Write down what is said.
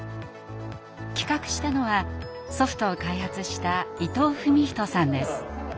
企画したのはソフトを開発した伊藤史人さんです。